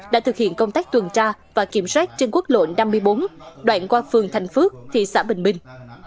đã thực hiện công tác tuần tra và kiểm soát trên quốc lộ năm mươi bốn đoạn qua phường thành phước thị xã bình minh